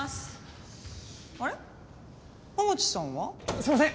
すいません！